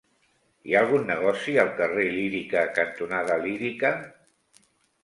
Hi ha algun negoci al carrer Lírica cantonada Lírica?